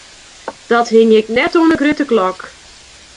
Dat hingje ik net oan 'e grutte klok.